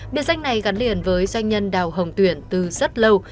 biệt danh này gắn liền với doanh nhân đào hồng tuyển từ rất lâu